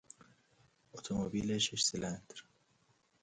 اتومبیل شش سیلندر